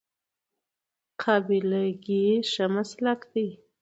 قابله ګي ښه مسلک دی